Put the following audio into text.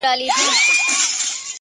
• سترگه وره انجلۍ بيا راته راگوري ـ